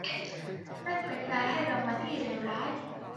นั่นเป็นการให้รางวัลที่เลวร้าย !